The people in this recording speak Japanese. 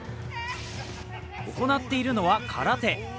行っているのは、空手。